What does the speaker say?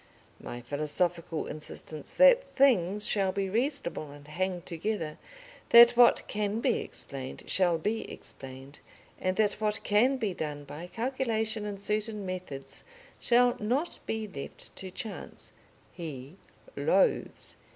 My philosophical insistence that things shall be reasonable and hang together, that what can be explained shall be explained, and that what can be done by calculation and certain methods shall not be left to chance, he loathes.